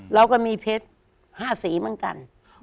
เราก็มีเพชร๕สีเหมือนกัน